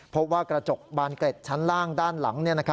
พบว่ากระจกบานเกร็ดชั้นล่างด้านหลัง